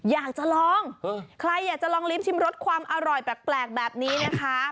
อยากจะลองใครอยากจะลองลิ้มชิมรสความอร่อยแปลกแบบนี้นะคะ